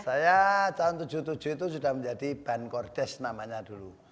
saya tahun tujuh puluh tujuh itu sudah menjadi band kordes namanya dulu